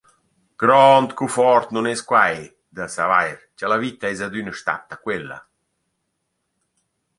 Grond cuffort nun es quai da savair cha la vita es adüna statta quella.